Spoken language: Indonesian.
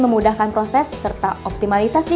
memudahkan proses serta optimalisasi